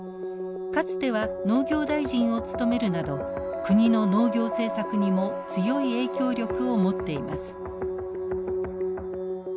かつては農業大臣を務めるなど国の農業政策にも強い影響力を持っています。